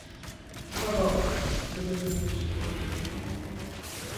هەڤاڵان ، دەبێت هەندێ شتتان پێ بڵیم.